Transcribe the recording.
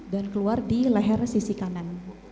dan keluar di leher sisi kanan